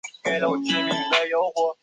川滇鼠李为鼠李科鼠李属下的一个种。